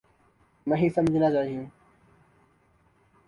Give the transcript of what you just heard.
نہیں سمجھانا چاہیے۔